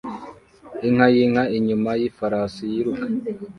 Inka yinka inyuma yifarasi yiruka